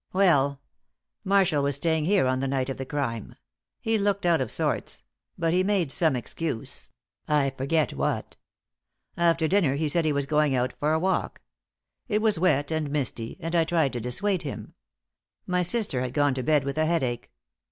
"Well, Marshall was staying here on the night of the crime. He looked out of sorts; but he made some excuse I forget what. After dinner he said he was going out for a walk; it was wet and misty, and I tried to dissuade him. My sister had gone to bed with a headache.